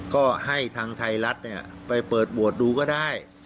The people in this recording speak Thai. ก็ให้ทางไทยรัฐไปเปิดโหวตดูก็ได้